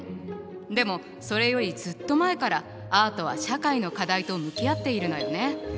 でもそれよりずっと前からアートは社会の課題と向き合っているのよね。